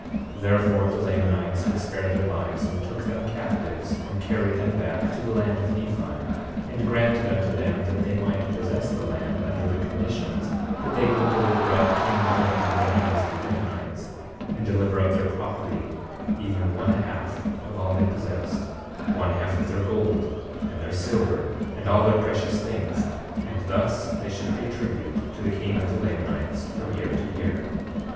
19:15 Therefore the Lamanites did spare their lives, and took them captives and carried them back to the land of Nephi, and granted unto them that they might possess the land, under the conditions that they would deliver up king Noah into the hands of the Lamanites, and deliver up their property, even one half of all they possessed, one half of their gold, and their silver, and all their precious things, and thus they should pay tribute to the king of the Lamanites from year to year.